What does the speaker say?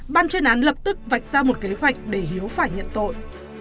ban chuyên án lập tức vạch ra một kế hoạch để hiếu phải nhận tội